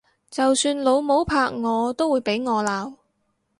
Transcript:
就算老母拍我都會俾我鬧！